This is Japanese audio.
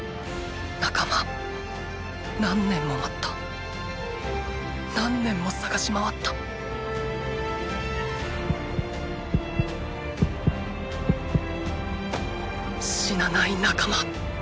仲間何年も待った何年も探し回った死なない仲間。